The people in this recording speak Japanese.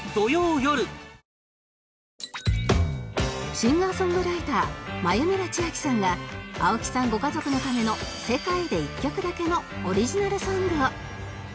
シンガー・ソングライター眉村ちあきさんが青木さんご家族のための世界で１曲だけのオリジナルソングを